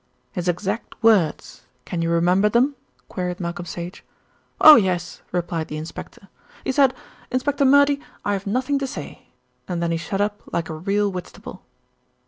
"His exact words. Can you remember them?" queried Malcolm Sage. "Oh, yes!" replied the inspector. "He said, 'Inspector Murdy, I have nothing to say,' and then he shut up like a real Whitstable."